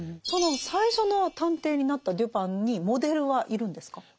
その最初の探偵になったデュパンにモデルはいるんですか？